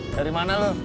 dari mana lu